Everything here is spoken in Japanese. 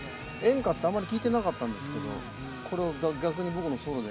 演歌ってあんまり聞いてなかったんですけどこれを逆に。